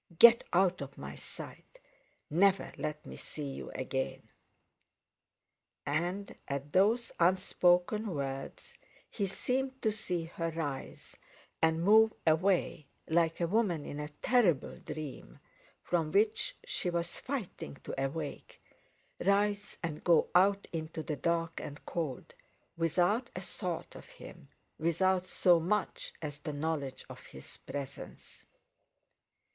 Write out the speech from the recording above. Get out of my sight; never let me see you again!" And, at those unspoken words, he seemed to see her rise and move away, like a woman in a terrible dream, from which she was fighting to awake—rise and go out into the dark and cold, without a thought of him, without so much as the knowledge of his presence.